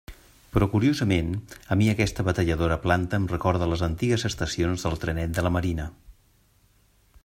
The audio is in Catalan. Però, curiosament, a mi aquesta batalladora planta em recorda les antigues estacions del Trenet de la Marina.